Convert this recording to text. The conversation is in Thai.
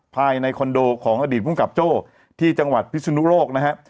ภายในคอนโดของอดีตภูมิกับโจ้ที่จังหวัดพิศนุโลกนะฮะ